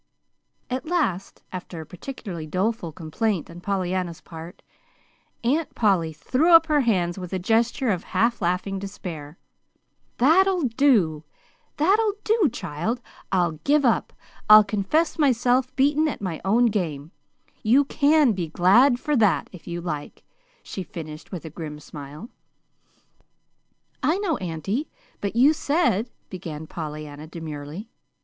At last, after a particularly doleful complaint on Pollyanna's part, Aunt Polly threw up her hands with a gesture of half laughing despair. "That'll do, that'll do, child! I'll give up. I'll confess myself beaten at my own game. You can be GLAD for that, if you like," she finished with a grim smile. "I know, auntie, but you said " began Pollyanna demurely.